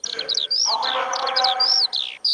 سیاسي پرمختګونه د ټولنې په ګټه تمام سوي وو.